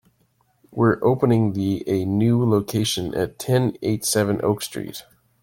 We are opening the a new location at ten eighty-seven Oak Street.